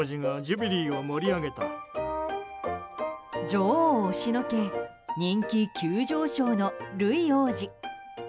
女王を押しのけ人気急上昇のルイ王子。